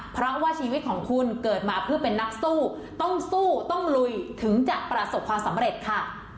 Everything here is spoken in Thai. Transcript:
เพราะว่าชีวิตของคุณเกิดมาเพื่อเป็นนักสู้ต้องสู้ต้องลุยถึงจะประสบความสำเร็จค่ะ